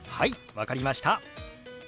分かりました。